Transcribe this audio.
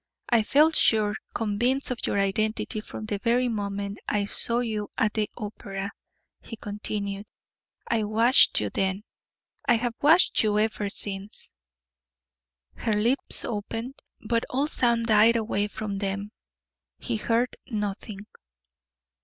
"I felt sure convinced of your identity from the very moment I saw you at the opera," he continued. "I watched you then; I have watched you ever since." Her white lips opened, but all sound died away from them he heard nothing.